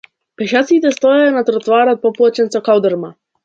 Пешаците стоеја на тротоарот поплочен со калдрма.